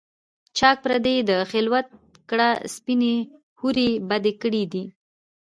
چاک پردې یې د خلوت کړه سپیني حوري، بد ګړی دی